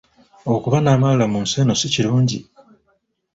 Okuba n’amalala mu nsi eno si kirungi.